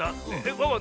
ワンワン